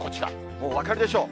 もうお分かりでしょう。